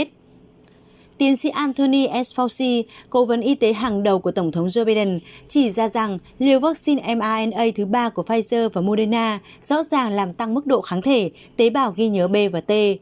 tiến sĩ anthony efauci cố vấn y tế hàng đầu của tổng thống joe biden chỉ ra rằng liều vaccine mana thứ ba của pfizer và moderna rõ ràng làm tăng mức độ kháng thể tế bào ghi nhớ b và t